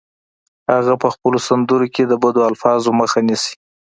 هغه په خپلو سندرو کې د بدو الفاظو مخه نیسي